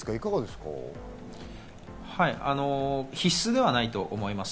必須ではないと思います。